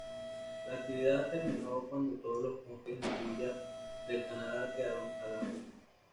La actividad terminó cuando todos los bosques de tuya del Canadá quedaron talados.